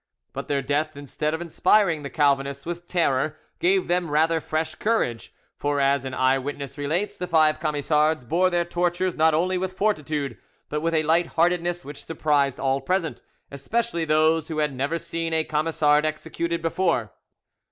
But their death, instead of inspiring the Calvinists with terror, gave them rather fresh courage, for, as an eye witness relates, the five Camisards bore their tortures not only with fortitude, but with a light heartedness which surprised all present, especially those who had never seen a Camisard executed before.